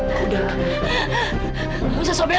kamu bisa selangis